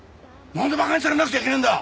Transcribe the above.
何でバカにされなくちゃいけねえんだ！